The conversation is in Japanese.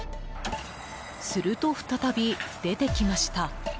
すると再び出てきました。